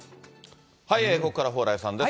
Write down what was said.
ここからは蓬莱さんです。